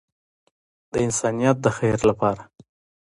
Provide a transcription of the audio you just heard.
د انسانیت د خیر لپاره.